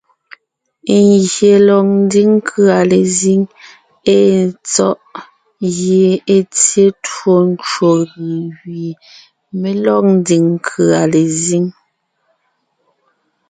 Ngyè lɔg ńdiŋ nkʉ̀a lezíŋ èe tsɔ̀ʼ gie è tsyé twó ncwò gʉ̀ gẅie mé lɔg ńdiŋ nkʉ̀a lezíŋ.